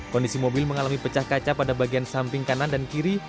kondisi mobil mengalami pecah kaca pada bagian samping kanan dan kiri